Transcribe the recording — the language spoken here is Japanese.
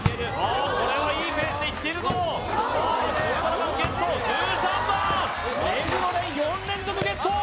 あこれはいいペースでいっているぞ１７番ゲット１３番目黒蓮４連続ゲット